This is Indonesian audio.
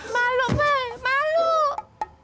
maluk be maluk